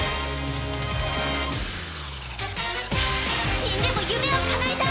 死んでも夢をかなえたい。